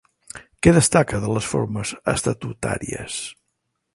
Què destaca de les formes estatutàries?